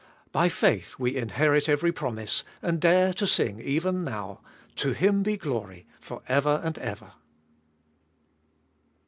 By faith we inherit every promise, and dare to sing even now : To Him be glory for ever and ever